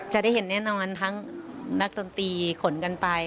จะได้เห็นแน่นอนทั้งนักดนตรีขนกันไป